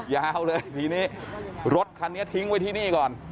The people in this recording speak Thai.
ยาวเลยทีนี้รถคันนี้ทิ้งไว้ที่นี่ก่อน